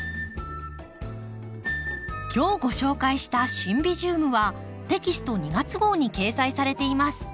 今日ご紹介した「シンビジウム」はテキスト２月号に掲載されています。